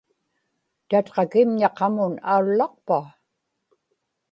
tatqakimña qamun aullaqpa?